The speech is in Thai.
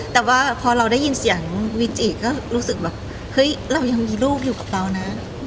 แต่ว่าพอเราได้ยินเสียงวิจิก็รู้สึกแบบเฮ้ยเรายังมีลูกอยู่กับเรานะ